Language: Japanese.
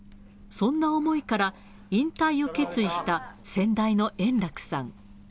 そんな思いから、引退を決意した先代の圓楽さん。